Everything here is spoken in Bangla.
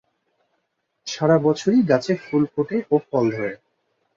সারা বছরই গাছে ফুল ফোটে ও ফল ধরে।